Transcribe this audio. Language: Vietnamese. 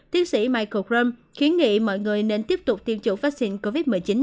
tiến sĩ michael grom khiến nghị mọi người nên tiếp tục tiêm chủ vaccine covid một mươi chín